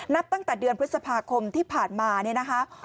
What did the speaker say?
นับตั้งแต่เดือนพฤษภาคมที่ผ่านมาเนี่ยนะคะ